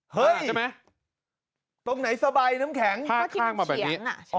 เฮ้ยตรงไหนสบายน้ำแข็งภาคข้างมาแบบนี้อ๋อ